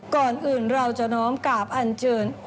ก่อนอื่นเราจะน้อมกราบอันเชิญ